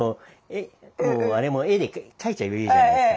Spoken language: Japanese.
あれも絵で描いちゃえばいいじゃないですか。